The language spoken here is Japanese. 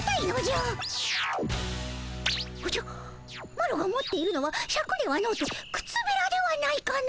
マロが持っているのはシャクではのうてくつべらではないかの？